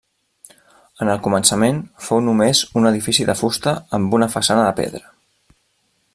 En el començament, fou només un edifici de fusta amb una façana de pedra.